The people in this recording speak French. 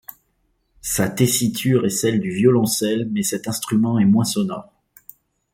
Sa tessiture est celle du violoncelle mais cet instrument est moins sonore.